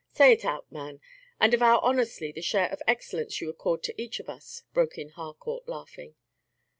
Say it out, man, and avow honestly the share of excellence you accord to each of us," broke in Harcourt, laughing.